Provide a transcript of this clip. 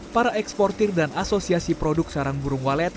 para eksportir dan asosiasi produk sarang burung walet